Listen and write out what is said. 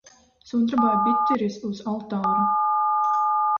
Sudraba biķeris uz altāra.